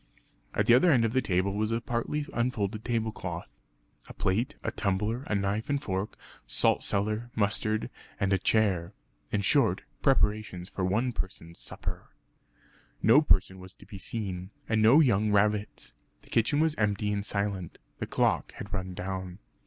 At the other end of the table was a partly unfolded tablecloth, a plate, a tumbler, a knife and fork, salt cellar, mustard and a chair in short, preparations for one person's supper. No person was to be seen, and no young rabbits. The kitchen was empty and silent; the clock had run down.